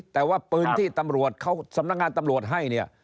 แต่ว่าปืนที่ตำรวจเขาสำนักงานตำรวจให้เนี่ย